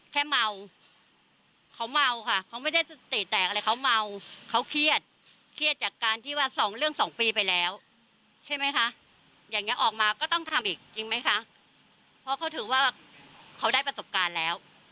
เพราะเขาถือว่าเขาได้ประสบการณ์แล้ว